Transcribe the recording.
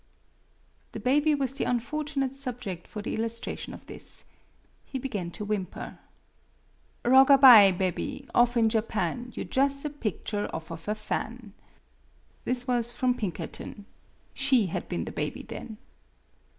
The baby was the unfortunate subject for the illustration ofthis. He began to whimper. " Rog a by, bebby, off in Japan, You jus' a picture off of a fan." This was from Pinkerton. She had been the baby then.